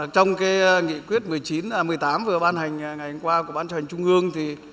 trong cái nghị quyết một mươi tám vừa ban hành ngày hôm qua của ban hành trung ương thì